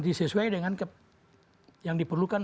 disesuai dengan yang diperlukan